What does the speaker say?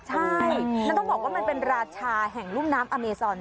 ใช่แล้วต้องบอกว่ามันเป็นราชาแห่งรุ่มน้ำอเมซอน